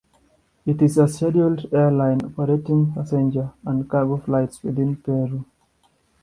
It is a scheduled airline operating passenger and cargo flights within Peru.